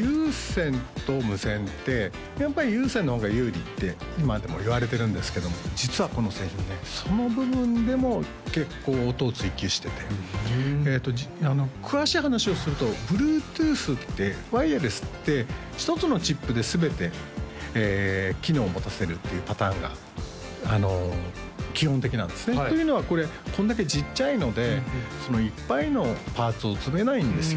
有線と無線ってやっぱり有線の方が有利って今でもいわれてるんですけども実はこの製品ねその部分でも結構音を追求してて詳しい話をするとＢｌｕｅｔｏｏｔｈってワイヤレスって１つのチップで全て機能を持たせるっていうパターンが基本的なんですねというのはこれこんだけちっちゃいのでいっぱいのパーツを積めないんですよ